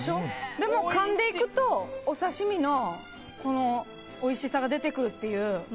でもかんでいくとお刺し身のおいしさが出てくるっていう。